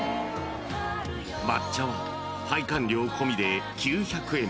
［抹茶は拝観料込みで９００円］